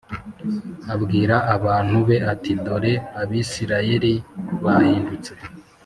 abwira abantu be ati dore abisirayeli bahindutse